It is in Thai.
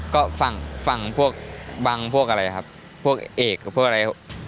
ก็ฝั่งฝั่งพวกบังพวกอะไรครับพวกเอกกับพวกอะไร